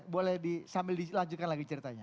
boleh sambil dilanjutkan lagi ceritanya